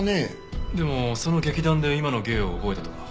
でもその劇団で今の芸を覚えたとか。